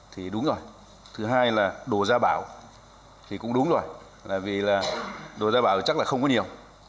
thì đúng rồi thứ hai là đồ gia bảo thì cũng đúng rồi là vì là đồ ra bảo chắc là không có nhiều